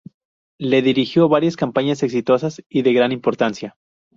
Lee dirigió varias campañas exitosas y de gran importancia.